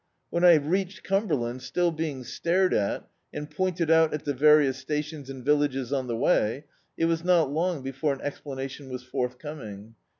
When I reached Cumberland, still being stared at, and pointed out at the various stations and villages on the way, it was not long before an explanation was forthcoming.